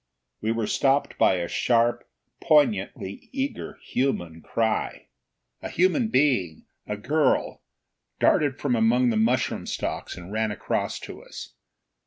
We were stopped by a sharp, poignantly eager human cry. A human being, a girl, darted from among the mushroom stalks and ran across to us.